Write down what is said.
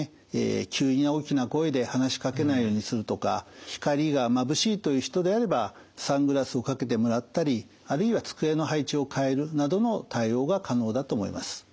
急に大きな声で話しかけないようにするとか光がまぶしいという人であればサングラスをかけてもらったりあるいは机の配置を変えるなどの対応が可能だと思います。